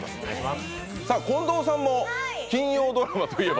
近藤さんも金曜ドラマといえば？